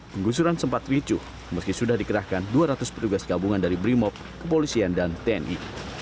penggusuran sempat ricuh meski sudah dikerahkan dua ratus petugas gabungan dari brimop kepolisian dan tni